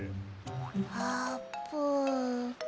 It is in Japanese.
あーぷん。